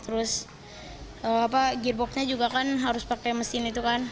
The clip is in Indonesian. terus gearboxnya juga kan harus pakai mesin itu kan